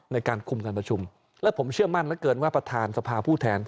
ในการคุมการประชุมและผมเชื่อมั่นเหลือเกินว่าประธานสภาผู้แทน